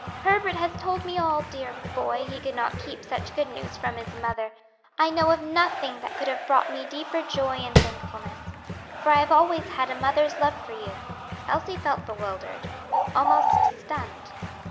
"Herbert has told me all. Dear boy, he could not keep such good news from his mother. I know of nothing that could have brought me deeper joy and thankfulness, for I have always had a mother's love for you." Elsie felt bewildered, almost stunned.